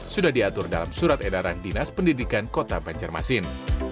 sudah diatur dalam surat edaran dinas pendidikan kota banjarmasin